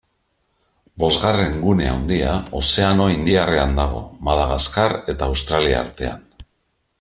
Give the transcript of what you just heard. Bosgarren gune handia Ozeano Indiarrean dago, Madagaskar eta Australia artean.